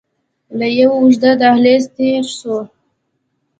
له يوه اوږد دهليزه تېر سو.